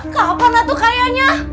kapan tuh kayaknya